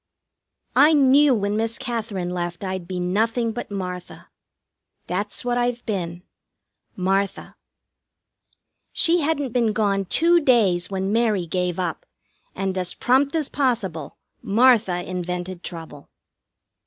I knew when Miss Katherine left I'd be nothing but Martha. That's what I've been Martha. She hadn't been gone two days when Mary gave up, and as prompt as possible Martha invented trouble.